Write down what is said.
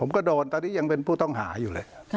ก็โดนตอนนี้ยังเป็นผู้ต้องหาอยู่เลย